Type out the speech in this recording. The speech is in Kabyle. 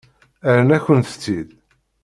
Rran-akent-t-id.